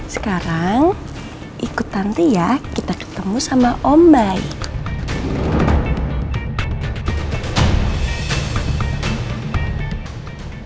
sekarang ikut nanti ya kita ketemu sama om baik